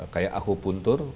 kayak aku puntur